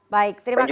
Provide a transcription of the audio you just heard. baik terima kasih